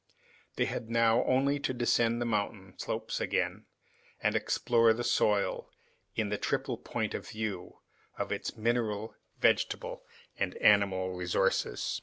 They had now only to descend the mountain slopes again, and explore the soil, in the triple point of view, of its mineral, vegetable, and animal resources.